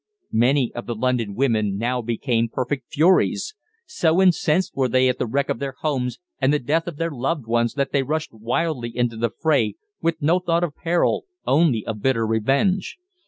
Many of the London women now became perfect furies. So incensed were they at the wreck of their homes and the death of their loved ones that they rushed wildly into the fray with no thought of peril, only of bitter revenge.